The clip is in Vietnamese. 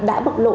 đã bộc lộ